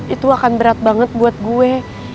itu akan berat banget buat gue